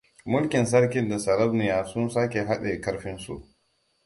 Mulkin Sarkin da Sarauniya sun sake haɗe karfinsu.